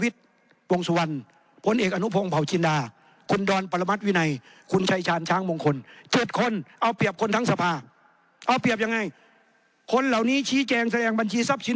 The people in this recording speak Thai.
แต่พลเอกประยุทธและเพื่อนเจ็ดคน